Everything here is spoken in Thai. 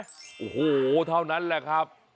โอ้โหเท่านั้นแหละครับ